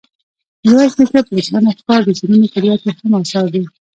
میرویس نیکه، پریشانه افکار، د شعرونو کلیات یې هم اثار دي.